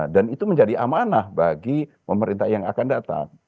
dan itu menjadi amanah bagi pemerintah yang akan datang